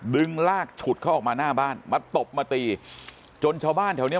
ดึงลากฉุดเขาออกมาหน้าบ้านมาตบมาตีจนชาวบ้านแถวเนี้ย